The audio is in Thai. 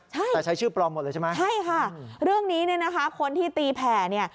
ใช่แต่ใช้ชื่อปลอมหมดเลยใช่ไหมใช่ค่ะเรื่องนี้เนี่ยนะคะคนที่ตีแผ่เนี่ย